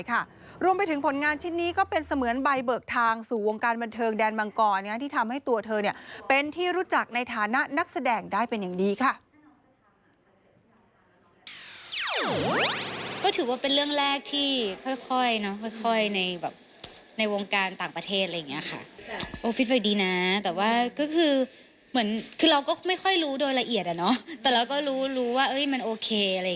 ก็ถือว่าเป็นเรื่องแรกที่ค่อยเนาะค่อยในแบบในวงการต่างประเทศเลยเนี่ยค่ะโอฟิสบัคดีนะแต่ว่าก็คือเหมือนคือเราก็ไม่ค่อยรู้โดยละเอียดอ่ะเนาะแต่เราก็รู้รู้ว่าเอ้ยมันโอเคอะไร